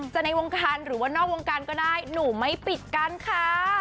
ในวงการหรือว่านอกวงการก็ได้หนูไม่ปิดกันค่ะ